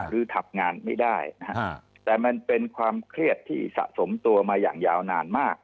หรือทำงานไม่ได้นะฮะแต่มันเป็นความเครียดที่สะสมตัวมาอย่างยาวนานมาก